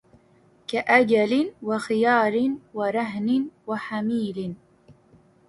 كَأَجَلٍ وَخِيَارٍ وَرَهْنٍ وَحَمِيلٍ